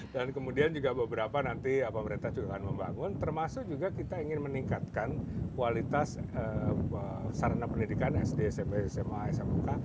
dan kemudian juga beberapa nanti pemerintah juga akan membangun termasuk juga kita ingin meningkatkan kualitas sarana pendidikan sd sma sma sma